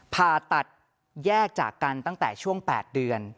ผ่าตัดแยกจากกันตั้งแต่ช่วง๘เดือน